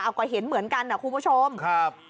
เอาก็เห็นเหมือนกันนะคุณผู้ชมครับ